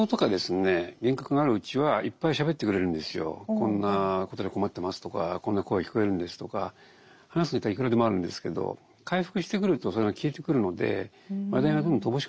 「こんなことで困ってます」とか「こんな声聞こえるんです」とか話すネタはいくらでもあるんですけど回復してくるとそれが消えてくるので話題が乏しくなってくるんですよね。